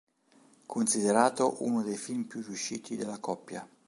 Considerato uno dei film più riusciti della coppia.